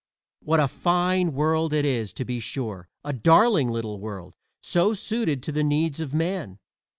What a fine world it is, to be sure a darling little world, "so suited to the needs of man."